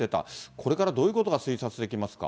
これからどういうことが推察できますか？